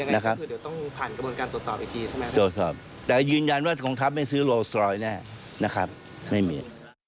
ตรวจสอบแต่ยืนยันว่ากองทัพไม่ซื้อโลสตรอยแน่นะครับไม่มี